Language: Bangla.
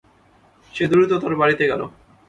সে দ্রুত তার বাড়িতে গেল।